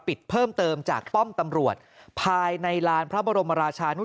ปิดเพิ่มเติมจากป้อมตำรวจภายในร้านพระบรมราชานุษย์สวรรค์